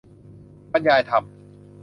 บรรยายธรรม